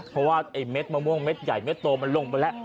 เพราะว่าไอ้เม็ดมะม่วงเม็ดใหญ่เม็ดโตมันลงไปแล้ว